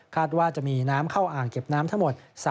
ว่าจะมีน้ำเข้าอ่างเก็บน้ำทั้งหมด